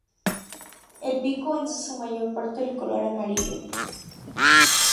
El pico es en su mayor parte de color amarillo.